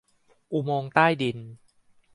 อุโมงค์ใต้ดิน